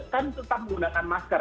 kan tetap menggunakan masker